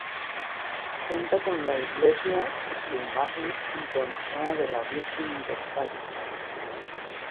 Cuenta con la iglesia y su imagen entronizada de la Virgen del Valle.